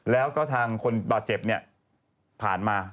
แล้วก็ทางคนบาดเจ็บผ่านมา